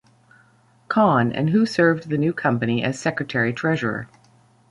Conn, and who served the new company as secretary-treasurer.